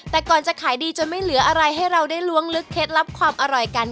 แต่ก่อนจะขายดีจนไม่เหลืออะไรให้เราได้ล้วงลึกเคล็ดลับความอร่อยกัน